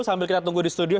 sambil kita tunggu di studio